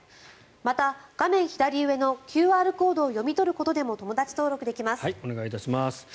また画面左上のＱＲコードを読み取ることでもお願いいたします。